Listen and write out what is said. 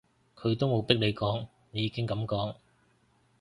佢都冇逼你講，你已經噉講